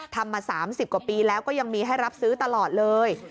ทำมา๓๐กว่าปีแล้วก็ยังมีให้รับซื้อตลอดเลย